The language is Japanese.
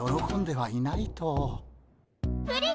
はい。